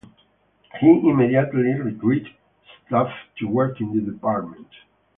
He immediately recruited staff to work in the department.